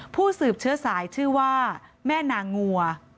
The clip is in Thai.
ผู้สืบเชื้อสายชื่อว่าแม่นางัว